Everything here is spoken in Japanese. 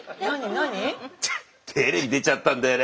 何？テレビ出ちゃったんだよね。